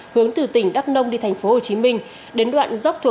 hướng từ tỉnh đắk nông đi thành phố hồ chí minh